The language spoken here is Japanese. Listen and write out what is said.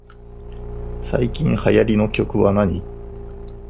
最近流行りの曲はなに